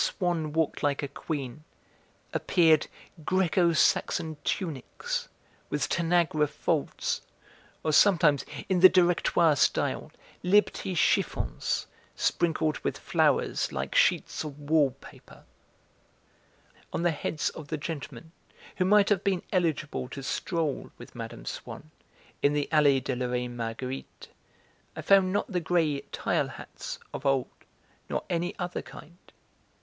Swann walked like a Queen, appeared Greco Saxon tunics, with Tanagra folds, or sometimes, in the Directoire style, 'Liberty chiffons' sprinkled with flowers like sheets of wallpaper. On the heads of the gentlemen who might have been eligible to stroll with Mme. Swann in the Allée de la Reine Marguerite, I found not the grey 'tile' hats of old, nor any other kind.